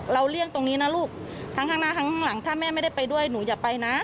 เลี่ยงตรงนี้นะลูกทั้งข้างหน้าทั้งข้างหลังถ้าแม่ไม่ได้ไปด้วยหนูอย่าไปนะ